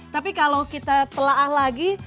tapi kalau kita telah lagi